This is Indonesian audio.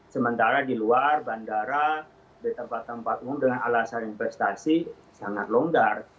sementara di luar bandara di tempat tempat umum dengan alasan investasi sangat longgar